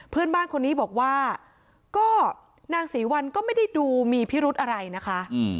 เพื่อนบ้านคนนี้บอกว่าก็นางศรีวัลก็ไม่ได้ดูมีพิรุธอะไรนะคะ